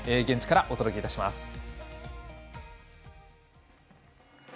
現地からお届けいたします。